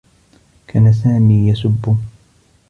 كان سامي يسبّ.